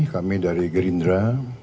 kami dari gerindra